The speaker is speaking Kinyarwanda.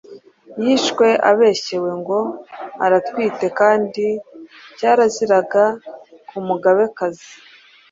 yishwe abeshyewe ngo aratwite kandi cyaraziraga ku Mugabekazi.